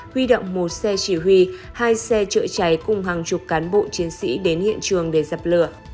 huy động một xe chỉ huy hai xe chữa cháy cùng hàng chục cán bộ chiến sĩ đến hiện trường để dập lửa